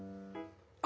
「あ！